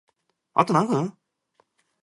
あと何分？